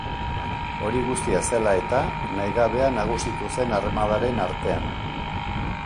Hori guztia zela eta, nahigabea nagusitu zen armadaren artean.